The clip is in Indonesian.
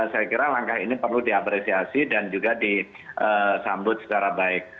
saya kira langkah ini perlu diapresiasi dan juga disambut secara baik